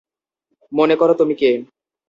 মনে করো তুমি কে।